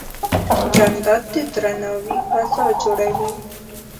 جانداد د درناوي فضا جوړوي.